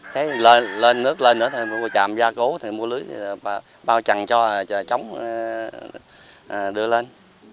thế lên nước lên nữa tràm gia cố mua lưới bao trần cho trống đưa lên